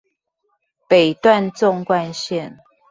北段縱貫線